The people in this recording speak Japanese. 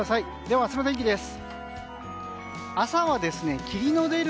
では明日の天気です。